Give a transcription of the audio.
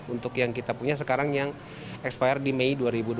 untuk yang kita punya sekarang yang expired di mei dua ribu dua puluh